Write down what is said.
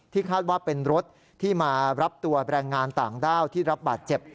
คาดว่าเป็นรถที่มารับตัวแรงงานต่างด้าวที่รับบาดเจ็บ